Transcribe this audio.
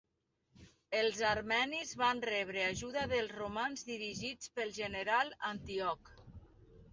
Els armenis van rebre ajuda dels romans dirigits pel general Antíoc.